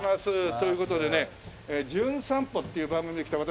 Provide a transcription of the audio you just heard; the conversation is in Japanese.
という事でね『じゅん散歩』っていう番組で来た私